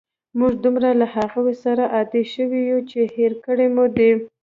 موږ دومره له هغوی سره عادی شوي یو، چې هېر کړي مو دي.